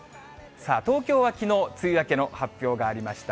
東京はきのう、梅雨明けの発表がありました。